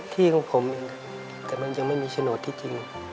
ที่ของผมเองแต่มันยังไม่มีโฉนดที่จริง